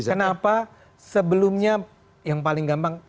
kenapa sebelumnya yang paling gampang